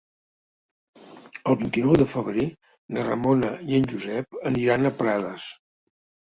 El vint-i-nou de febrer na Ramona i en Josep aniran a Prades.